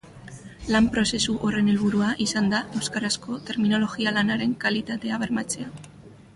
Lan-prozesu horren helburua izan da euskarazko terminologia-lanaren kalitatea bermatzea.